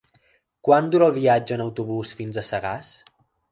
Quant dura el viatge en autobús fins a Sagàs?